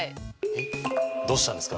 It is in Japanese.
えっどうしたんですか。